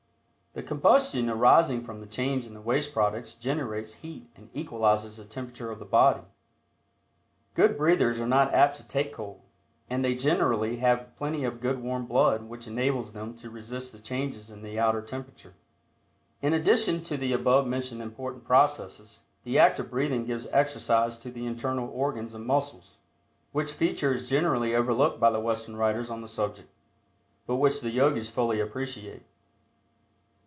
The combustion arising from the change in the waste products generates heat and equalizes the temperature of the body. Good breathers are not apt to "take cold," and they generally have plenty of good warm blood which enables them to resist the changes in the outer temperature. In addition to the above mentioned important processes the act of breathing gives exercise to the internal organs and muscles, which feature is generally overlooked by the Western writers on the subject, but which the Yogis fully appreciate.